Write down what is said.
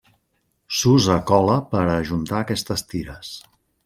S'usa cola per a ajuntar aquestes tires.